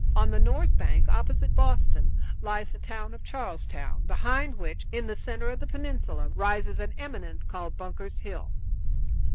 On the north bank, opposite Boston, lies the town of Charlestown, behind which, in the center of the peninsula, rises an eminence called Bunker's Hill.